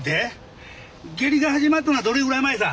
下痢が始まったのはどれぐらい前さ？